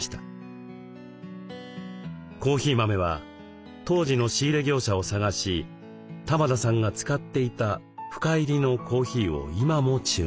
コーヒー豆は当時の仕入れ業者を捜し玉田さんが使っていた深煎りのコーヒーを今も注文。